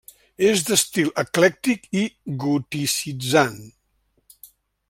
És d'estil eclèctic i goticitzant.